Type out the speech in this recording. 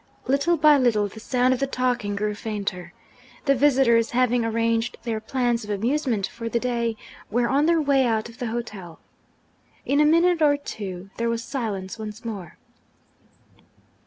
Little by little, the sound of the talking grew fainter. The visitors, having arranged their plans of amusement for the day, were on their way out of the hotel. In a minute or two, there was silence once more.